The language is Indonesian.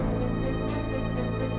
aku berhobat jangan